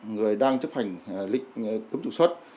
người đang chấp hành lệnh cấm trục xuất